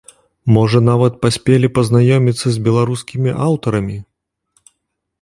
Можа нават паспелі пазнаёміцца з беларускімі аўтарамі?